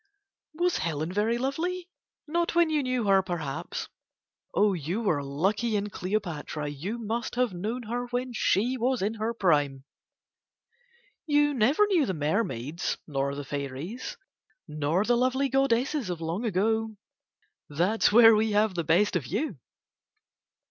Was Helen very lovely? Not when you knew her, perhaps. You were lucky in Cleopatra, you must have known her when she was in her prime. "You never knew the mermaids nor the fairies nor the lovely goddesses of long ago, that's where we have the best of you."